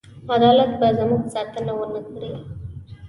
عدالت به زموږ ساتنه ونه کړي.